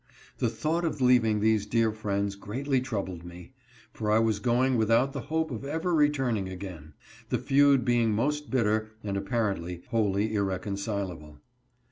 The thought of leaving these dear friends greatly troubled me, for I was going without the hope of ever returning again ; the feud being most bitter, and apparently wholly irreconcilable.